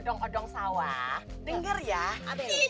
nung di mana kita keranjau